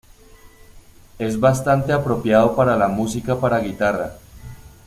Es bastante apropiado para la música para guitarra.